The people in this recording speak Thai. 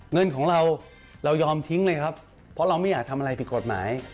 เงินของเราเรายอมทิ้งเลยครับเพราะเราไม่อยากทำอะไรผิดกฎหมาย